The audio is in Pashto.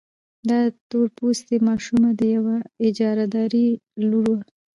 دا تور پوستې ماشومه د يوې اجارهدارې لور وه.